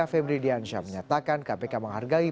fredrik rudiansyah menyatakan kpk menghargai